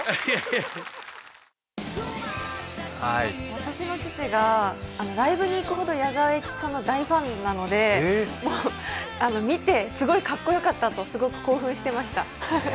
私の父がライブに行くほど矢沢永吉さんの大ファンなので見て、すごいかっこよかったとすごく興奮していました。